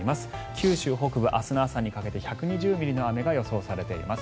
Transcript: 九州北部、明日の朝にかけて１２０ミリの雨が予想されています。